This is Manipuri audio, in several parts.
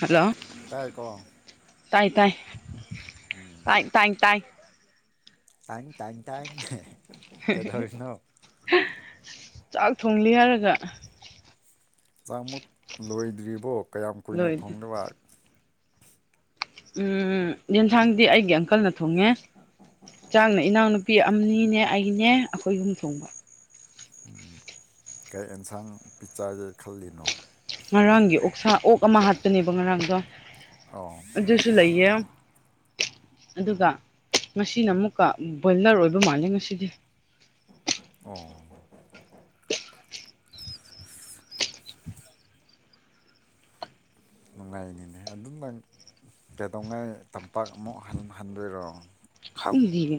ꯍꯜꯂꯣ ꯇꯥꯏꯀꯣ ꯇꯥꯏ ꯎꯝ ꯇꯥꯏꯥꯏ ꯇꯥꯏ ꯇꯥꯏ ꯇꯥꯡ ꯇꯥꯡ ꯇꯥꯏꯥꯡ ꯆꯥꯛ ꯊꯣꯡꯂꯤ ꯍꯥꯏꯔꯒ ꯆꯥꯛ ꯃꯣꯠ ꯂꯣꯏꯗ꯭ꯔꯤꯕꯣ ꯀꯌꯥꯝ ꯀꯨꯏꯅ ꯂꯣꯏꯗꯦ ꯐꯪꯗꯕ ꯎꯝ ꯌꯦꯟꯁꯥꯡꯗꯤ ꯑꯩꯒꯤ ꯑꯪꯀꯜꯅ ꯊꯣꯡꯉꯦ ꯆꯥꯛꯅ ꯏꯅꯥꯎ ꯅꯨꯄꯤ ꯅꯨꯄꯤ ꯑꯅꯤꯅꯦ ꯑꯩꯅꯦ ꯑꯩꯈꯣꯏ ꯌꯨꯝ ꯊꯣꯡꯕ ꯀꯩ ꯑꯦꯟꯁꯥꯡ ꯄꯤꯛ ꯆꯔꯗ ꯈꯜꯂꯤꯅꯣ ꯉꯔꯥꯡꯒꯤ ꯑꯣꯛꯁ ꯑꯣꯛ ꯑꯃ ꯍꯥꯠꯄꯅꯦꯕ ꯉꯔꯥꯡꯗꯣ ꯑꯣ ꯑꯗꯨꯁꯨ ꯂꯩꯌꯦ ꯑꯗꯨꯒ ꯉꯁꯤꯅ ꯑꯃꯨꯛꯀ ꯕꯣꯏꯂꯔ ꯑꯣꯏꯕ ꯃꯥꯜꯂꯦ ꯉꯁꯤꯗꯤ ꯑꯣ ꯅꯨꯡꯉꯥꯏꯅꯤꯅꯦ ꯑꯗꯨꯝꯪ ꯀꯩꯗꯧꯉꯥꯏ ꯇꯝꯄꯥꯛꯃꯨꯛ ꯍꯟꯗꯣꯏꯔꯣ ꯈꯪꯗꯅ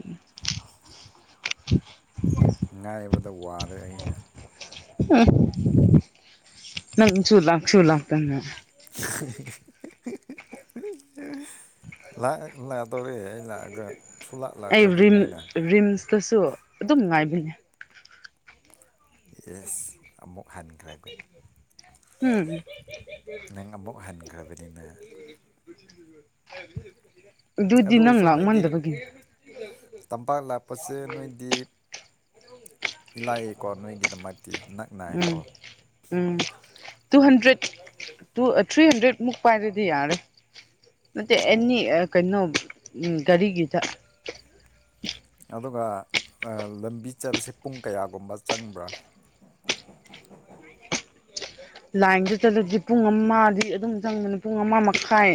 ꯉꯥꯏꯕꯗ ꯋꯥꯔꯦ ꯑꯩ ꯅꯪ ꯆꯨ ꯂ ꯆꯨ ꯂꯥꯛꯇꯅꯦ [inaudible] ꯂꯥꯛꯗꯧꯣꯔꯦ ꯑꯩ ꯂꯥꯛꯑꯒ ꯁꯨꯡꯂꯥꯛ ꯑꯩ ꯂꯥꯛꯇ꯭ꯔꯗꯤ ꯔꯤꯝ ꯅꯣꯏꯅ ꯔꯤꯝꯁꯇꯁꯨ ꯑꯗꯨꯝ ꯉꯥꯏꯕꯅꯦꯡꯡꯡꯡꯡꯡꯡ ꯋꯅꯤꯗ ꯌꯦꯁ ꯑꯃꯨꯛ ꯍꯟꯈ꯭ꯔꯒ ꯎꯝ ꯅꯪ ꯑꯃꯨꯛ ꯍꯟꯈ꯭ꯔꯕꯅꯤꯅ ꯑꯗꯨ ꯑꯗꯨꯗꯤꯅ ꯅꯪ ꯑꯣꯏꯁꯨ ꯅꯣꯏꯗꯤ ꯂꯥꯛꯃꯗꯕꯒꯤ ꯇꯝꯄꯥꯛ ꯂꯥꯛꯄꯁꯦ ꯅꯣꯏꯗꯤ ꯏꯂꯥꯛꯑꯀꯣ ꯅꯣꯏꯒꯤꯗꯃꯛꯇꯤ ꯎꯝ ꯅꯛꯅꯏꯀꯣ ꯎꯝ two hundred two three hundred ꯃꯨꯛ ꯄꯥꯏꯔꯗꯤ ꯌꯥꯔꯦ ꯅꯠꯇꯦ ꯑꯣ ꯑꯦꯅꯤ ꯀꯩꯅꯣ ꯒꯥꯔꯤꯒꯤꯗ ꯑꯗꯨꯒ ꯂꯝꯕꯤ ꯆꯠꯕꯁꯦ ꯄꯨꯡ ꯀꯌꯥꯒꯨꯝꯕ ꯆꯪꯕ꯭ꯔꯥ ꯂꯥꯏꯟꯗ ꯆꯠꯂꯨꯗꯤ ꯄꯨꯡ ꯑꯃꯗꯤ ꯑꯗꯨꯝ ꯆꯪꯕꯅꯤ ꯄꯨꯡ ꯑꯃ ꯃꯈꯥꯏ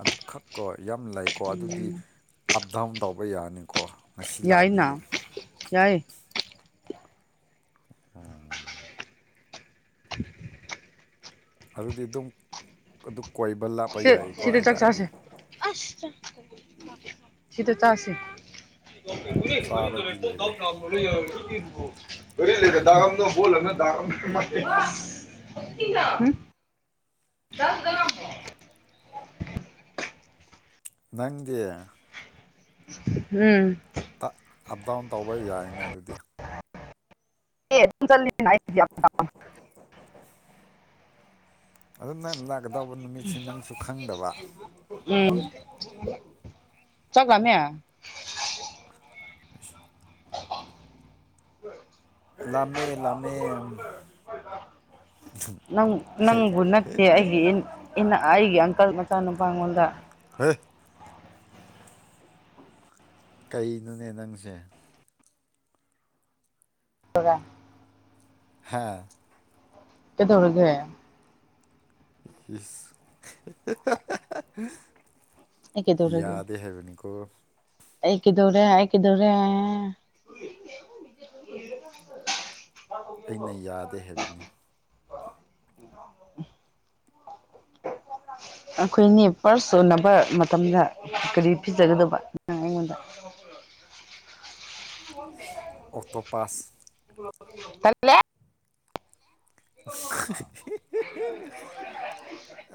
ꯑꯗꯨ ꯈꯛꯀꯣ ꯌꯥꯝ ꯂꯩꯀꯣ ꯑꯗꯨꯗꯤ ꯑꯞ ꯗꯥꯎꯟ ꯇꯧꯕ ꯌꯥꯅꯤꯀꯣ ꯉꯁꯤ ꯂꯥꯛꯑꯅꯤ ꯌꯥꯏꯅ ꯌꯥꯏ ꯎꯝ ꯑꯗꯨꯗꯤ ꯑꯗꯨꯝ ꯑꯗꯨ ꯀꯣꯏꯕ ꯂꯥꯞꯄ ꯃꯇꯝꯗ ꯋꯅꯤꯗ ꫪ ꯌꯥꯏꯀꯣ ꯑꯩ ꯂꯥꯛꯑꯗꯤ ꯑꯁ ꯁꯤꯗ ꯆꯁꯤꯠ ꯦ ꯐꯣꯟ ꯆꯥꯔꯗꯤ ꯂꯣꯏꯔꯦ ꯊ ꯔꯤ ꯂꯩꯦꯇ ꯗꯔꯝꯗ ꯐꯣꯜ ꯍꯥ ꯗꯁ ꯔꯝ ꯅꯒ ꯎꯝ ꯑꯞ ꯗꯥꯎꯟ ꯇꯧꯕ ꯌꯥꯏꯅ ꯑꯗꯨꯗꯤ ꯑꯦ ꯑꯗꯨ ꯆ ꯑꯗꯨ ꯅꯪ ꯂꯥꯛꯀꯗꯧꯕ ꯅꯨꯃꯤꯠꯁꯤ ꯅꯪꯁꯨ ꯈꯪꯗꯕ ꯎꯝ ꯆꯒ ꯃꯌꯥ ꯑ [inaudible] ꯂꯥꯝꯃꯦ ꯂꯥꯝꯃꯦ ꯅꯪ ꯅꯪꯕꯨ ꯅꯠꯇꯦ ꯑꯩꯒꯤ ꯑꯩꯅ ꯑꯩꯒꯤ ꯑꯪꯀꯜ ꯃꯆꯥ ꯅꯨꯨꯄꯥꯉꯣꯟꯗ ꯍ ꯀꯩꯅꯣꯅꯦ ꯅꯪꯁꯦ ꯇꯒꯥ ꯍꯥꯥ ꯗꯧꯔꯒꯦ ꯏꯁ ꯀꯩꯗꯧꯔꯒꯦ ꯌꯥꯗꯦ ꯍꯥꯏꯕꯅꯤꯀꯣ ꯑꯩ ꯀꯗꯧꯔꯦ ꯑꯩ ꯀꯗꯧꯔꯦ ꯑꯩꯅ ꯌꯥꯗꯦ ꯍꯥꯏꯕꯅꯤ ꯑꯩꯈꯣꯏꯅꯤ ꯄꯥꯔꯁ ꯁꯣꯟꯅꯕ ꯃꯇꯝꯗ ꯀꯔꯤ ꯄꯤꯖꯒꯗꯕ ꯑꯩꯉꯣꯟꯗ ꯑꯣꯇꯣ ꯄꯥꯁ ꯇꯟꯂꯦ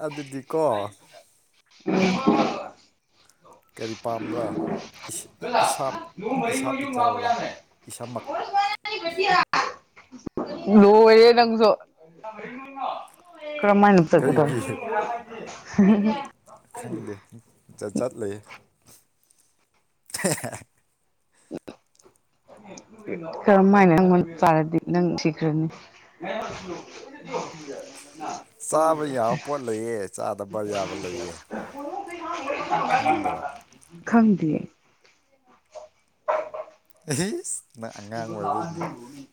ꯑꯗꯨꯗꯤ ꯀꯣ ꯎ ꯀꯔꯤ ꯄꯥꯝꯕ꯭ꯔꯥ ꯏꯁꯥ ꯏꯁꯥ ꯄꯤ ꯆꯥꯎꯔꯥ ꯏꯁꯥꯃꯛ ꯂꯣꯏꯔꯦ ꯅꯪꯁꯨ ꯀꯔꯃꯥꯏꯅ ꯆꯠꯀꯗꯕꯅꯣ ꯀꯔꯤꯒꯤ ꯈꯪꯗꯦꯠ ꯆꯠ ꯂꯩ ꯀꯔꯝ ꯍꯥꯏꯅ ꯅꯪꯉꯣꯟꯗ ꯄꯥꯔꯗꯤ ꯅꯪ ꯊꯤꯈ꯭ꯔꯅꯤ [unintelligible] ꯀꯩ ꯆꯥꯗꯕ ꯌꯥꯕ ꯂꯩꯌꯦ ꯈꯪꯗ꯭ꯔꯣ ꯈꯪꯗꯤꯌꯦ ꯑꯩꯁ ꯅ ꯑꯉꯥꯡ ꯑꯣꯏꯕꯩꯅꯤ [unintelligible] ꯎꯝ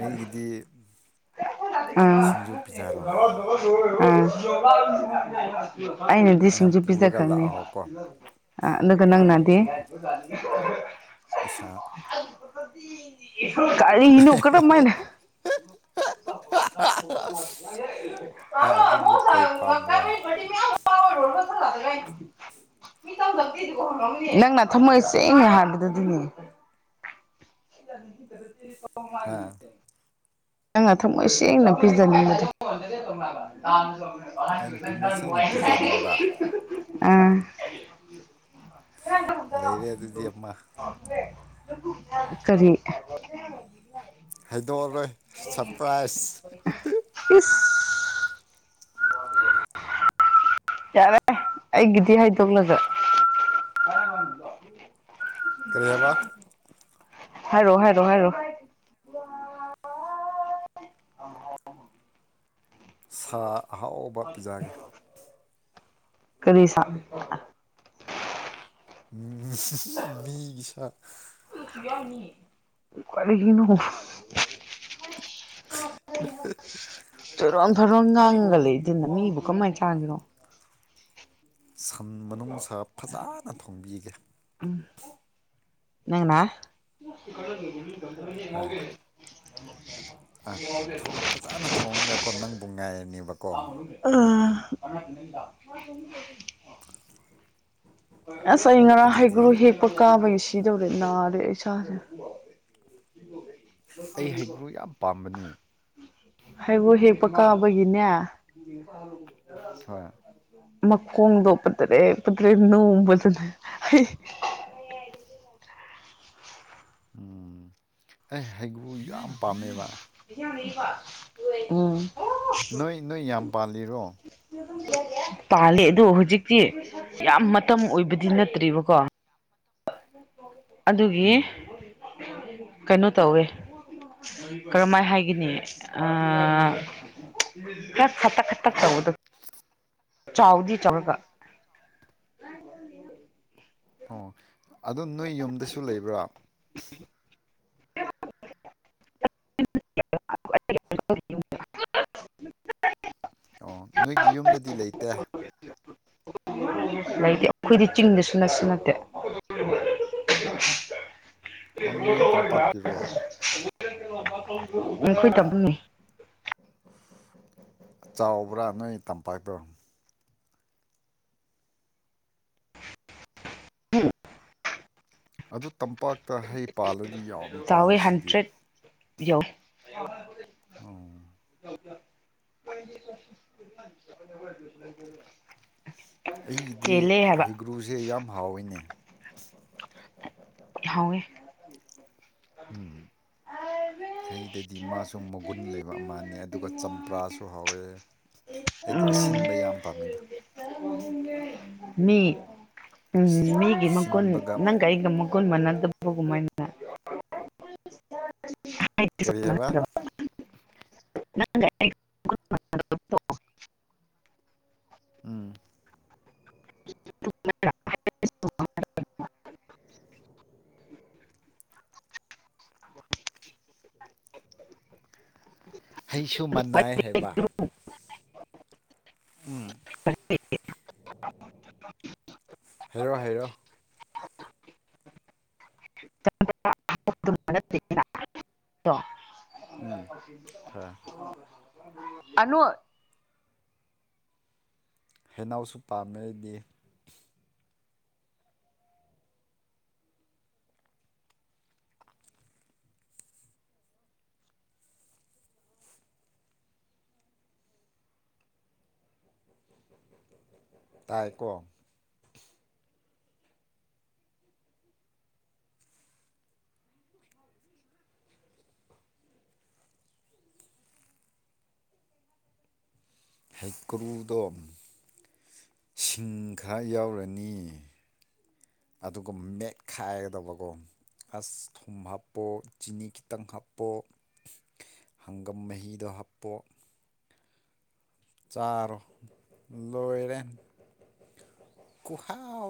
ꯑꯩꯒꯤꯗꯤ ꯁꯤꯡꯖꯨ ꯄꯤꯖꯔꯣ ꯎꯝ ꯑꯩꯅꯗꯤ ꯅꯪ ꯁꯤꯡꯖꯨ ꯄꯨꯔꯒ ꯄꯤꯖꯈ꯭ꯔꯕꯅꯦ ꯂꯥꯛꯑꯣꯀꯣ ꯑ ꯑꯗꯨꯒ ꯑꯥ ꯅꯪꯅꯗꯤ ꯎ ꯏꯁꯥ ꯀꯔꯤꯅꯣ ꯀꯔꯝꯃꯥꯏꯅ ꯑꯥ ꯑꯗꯨꯗꯤ ꯀꯩ ꯄꯥꯝꯕ꯭ꯔꯣ [unintelligible] ꯅꯪꯅ ꯊꯝꯃꯣꯏꯁꯤ ꯇꯦꯡ ꯍꯥꯏꯕꯗꯨ ꯑꯗꯨꯅꯤ ꯍꯥ ꯅꯪꯅ ꯊꯝꯃꯣꯏ ꯁꯦꯡꯅ ꯄꯤꯖꯅꯤꯡꯕꯗ ꯑꯩꯅ ꯊꯝꯃꯣꯏ ꯁꯦꯡꯅ ꯄꯤꯖꯅꯤꯡꯕ ꯑꯥ ꯂꯩꯔꯦ ꯑꯗꯨꯗꯤ ꯑꯃ ꯀꯔꯤ ꯍꯥꯏꯗꯣꯔꯣꯏ ꯁꯔꯄ꯭ꯔꯥꯏꯖ ꯏꯁ ꯌꯥꯔꯦ ꯑꯩꯒꯤꯗꯤ ꯍꯥꯏꯗꯣꯛꯂꯒꯥ ꯀꯗꯣ ꯀꯔꯤꯕ ꯍꯥꯏꯕꯥ ꯍꯥꯏꯔꯛꯑꯣ ꯍꯥꯏꯔꯣ ꯍꯥꯏꯔꯣ ꯁꯥ ꯑꯍꯥꯎꯕ ꯄꯤꯖꯒꯦ ꯀꯔꯤ ꯁꯥ ꯃꯤꯒꯤ ꯁꯥ ꯀꯔꯤꯅꯣ ꯆꯨꯔꯣꯟ ꯐꯔꯣꯟ ꯉꯥꯡꯒ ꯂꯩꯗꯅ ꯃꯤꯕꯨ ꯀꯃꯥꯏꯅ ꯆꯥꯡꯒꯅꯣ ꯁꯟ ꯃꯅꯨꯡꯁ ꯐꯖꯅ ꯊꯣꯡꯕꯤꯒꯦ ꯎꯝ ꯅꯪꯅ ꯍ ꯍꯥꯏ ꯐꯖꯅ ꯊꯣꯡꯉꯒꯀꯣ ꯅꯪꯕꯨ ꯉꯥꯏꯔꯅꯦꯕꯀꯣ ꯑꯥ ꯑꯁ ꯑꯩ ꯉꯔꯥꯡ ꯑꯗꯨꯗꯤ ꯍꯩꯒ꯭ꯔꯨ ꯍꯦꯛꯄ ꯀꯥꯕꯒꯤ ꯁꯤꯗꯧꯔꯦ ꯅꯥꯔꯦ ꯏꯁꯥꯁꯦ ꯑꯩ ꯍꯩꯒ꯭ꯔꯨ ꯌꯥꯝ ꯄꯥꯝꯕꯅꯦ ꯍꯥꯏꯕꯨ ꯍꯦꯛꯄ ꯀꯥꯕꯒꯤꯅꯦ ꯍ ꯍꯣꯏ ꯃꯈꯣꯡꯗꯣ ꯄꯠꯇ꯭ꯔꯦ ꯄꯇ꯭ꯔꯦ ꯅꯣꯡꯕ ꯑꯗꯨꯅ ꯑꯩ ꯍꯩꯒ꯭ꯔꯨ ꯌꯥꯝ ꯄꯥꯝꯃꯦꯕ ꯎꯝ ꯅꯣꯏ ꯅꯣꯏ ꯌꯥꯝ ꯄꯥꯜꯂꯤꯔꯣ ꯄꯥꯂꯦ ꯑꯗꯣ ꯍꯧꯖꯤꯛꯇꯤ ꯌꯥꯝ ꯃꯇꯝ ꯑꯣꯏꯕꯗꯤ ꯅꯠꯇ꯭ꯔꯤꯕꯀꯣ ꯑꯗꯨꯒꯤ ꯀꯩꯅꯣ ꯇꯧꯋꯦ ꯀꯔꯝꯍꯥꯏ ꯍꯥꯏꯒꯅꯤ ꯑ ꯍ ꯈꯇꯛ ꯈꯠꯇꯛ ꯇꯧꯗ ꯆꯥꯎꯗꯤ ꯆꯒ ꯑꯣ ꯑꯗ‌ꯣ ꯅꯣꯏ ꯌꯨꯝꯗꯁꯨ ꯂꯩꯕ꯭ꯔꯥ [unintelligible] ꯑꯣ ꯅꯣꯏꯒꯤ ꯌꯨꯝꯗꯗꯤ ꯂꯩꯇꯦ ꯂꯩꯇꯦ ꯑꯩꯈꯣꯏꯗꯤ ꯆꯤꯡꯗꯁꯨ ꯅꯁꯨ ꯅꯠꯇꯦ ꯑꯣꯟ ꯅꯣꯏ ꯇꯝꯄꯥꯛꯀꯤꯔꯣ ꯎꯝ ꯀꯣꯏꯗ ꯄꯨꯨꯡꯅꯤ ꯆꯥꯎꯕ꯭ꯔꯥ ꯅꯣꯏ ꯇꯝꯄꯥꯛꯇꯣ ꯍ ꯑꯗꯨ ꯇꯝꯄꯥꯛꯇ ꯍꯩ ꯄꯥꯜꯂꯗꯤ ꯌꯥꯝ ꯄꯥꯜꯂꯨꯁꯤꯗꯤ ꯌꯥꯎ ꯑꯣ [unintelligible] ꯑꯩꯗꯤ ꯆꯦꯜꯂꯦ ꯍꯥꯏꯕ ꯍꯩꯒ꯭ꯔꯨꯁꯦ ꯌꯥꯝ ꯍꯥꯎꯋꯏꯅꯦ ꯍꯋꯦ ꯎꯝ ꯍꯩꯗꯗꯤ ꯃꯥꯁꯨ ꯃꯒꯨꯟ ꯂꯩꯕ ꯑꯃꯅꯦ ꯑꯗꯨꯒ ꯆꯝꯄ꯭ꯔꯥꯁꯨ ꯍꯥꯎꯋꯦ ꯎꯝ ꯍꯥꯏꯗꯤ ꯑꯁꯤꯟꯕ ꯌꯥꯝ ꯄꯥꯝꯃꯤꯗ ꯃꯤ ꯎꯝ ꯃꯤꯒꯤ ꯃꯀꯣꯟꯣꯟ ꯁꯤꯟꯕꯒ ꯅꯪ ꯑꯩꯒ ꯀꯟ ꯃꯥꯟꯅ ꯗꯕꯒꯨꯝ ꯃꯥꯏ ꯀꯩꯑꯕ ꯅꯪ ꯎꯝ [unintelligible] ꯍꯩꯁꯨ ꯃꯥꯟꯅꯥꯏ ꯍꯥꯏꯕ ꯑꯣꯏ ꯎꯝ ꯦ [unintelligible] ꯍꯥꯏꯔꯛꯑꯣ ꯍꯥꯏꯔꯛꯑꯣ ꯑꯗꯨꯝ ꯃꯔꯔ [unintelligible] ꯍꯣꯏ ꯑꯅ ꯍ‌ꯦꯅꯧꯁꯨ ꯄꯥꯝꯃꯦ ꯑꯩꯗꯤ ꯇꯥꯏꯀꯣ ꯍꯩ ꯀ꯭ꯔꯨꯗ ꯁꯤꯡ ꯈꯔ ꯌꯥꯎꯔꯅꯤ ꯑꯗꯨꯒ ꯃꯦꯠꯈꯥꯏꯒꯗꯕꯀꯣ ꯑꯁ ꯊꯨꯝ ꯍꯥꯞꯄꯣ ꯆꯤꯅꯤ ꯈꯤꯇꯪ ꯍꯥꯞꯄꯣ ꯍꯪꯒꯝ ꯃꯍꯤꯗꯣ ꯍꯥꯞꯄꯣ ꯆꯥꯔꯣ ꯂꯣꯏꯔꯦꯟ ꯀꯨꯍꯥꯎ